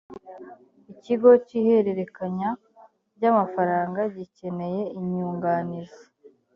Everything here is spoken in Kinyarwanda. ikigo cy’ihererekanya ry’amafaranga gikeneye inyunganizi